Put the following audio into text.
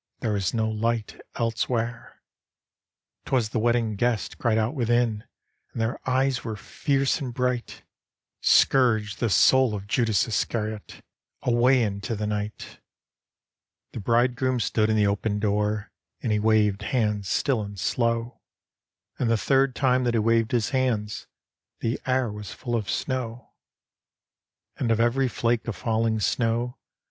There is no light elsewhere." "Twas the wedding guests cried out widiin, And their eyes were fierce and bright —" Scourge the soul of Judas Iscariot Away into the night 1" The Bridegroom stood in the open door, And he waved hands still and slow, And ^e third time diat he waved his hands The air was full of snow. And of every flake of falling snow.